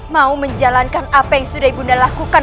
mau menjalankan apa yang sudah ibu nda lakukan